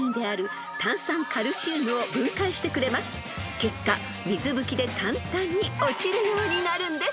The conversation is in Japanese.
［結果水拭きで簡単に落ちるようになるんです］